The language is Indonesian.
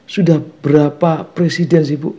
sudah berapa presiden sih bu